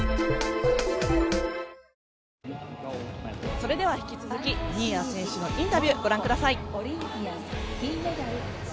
それでは、引き続き新谷選手のインタビューをご覧ください。